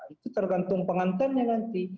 itu tergantung pengantinnya nanti